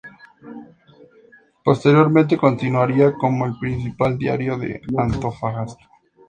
Posteriormente continuaría como el principal diario de Antofagasta.